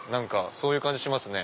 そういう感じしますね。